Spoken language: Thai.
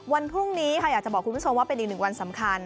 วันพรุ่งนี้ค่ะอยากจะบอกคุณผู้ชมว่าเป็นอีกหนึ่งวันสำคัญ